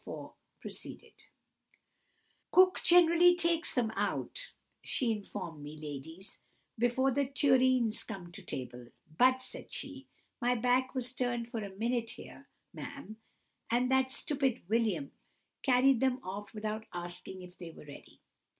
4 proceeded:— "Cook generally takes them out, she informed me, ladies, before the tureens come to table; 'but,' said she, 'my back was turned for a minute here, ma'am, and that stupid William carried them off without asking if they were ready.